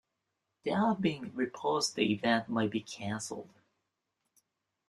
There have been reports the event might be canceled.